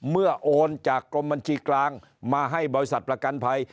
โอนจากกรมบัญชีกลางมาให้บริษัทประกันภัย